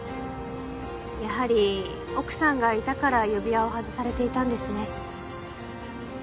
やはり奥さんがいたから指輪を外されていたんですね？